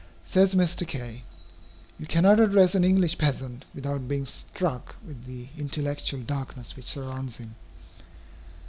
Says Mr. Kay: "You cannot address an English peasant, without being struck with the intellectual darkness which surrounds him.